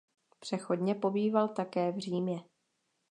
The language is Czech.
Přechodně pobýval také v Římě.